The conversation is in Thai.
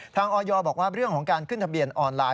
ออยบอกว่าเรื่องของการขึ้นทะเบียนออนไลน